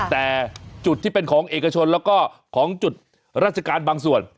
แต่จุดที่เป็นของเอกชนแล้วก็ของจุดราชการบางส่วน